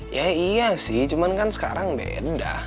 ya iya sih cuman kan sekarang beda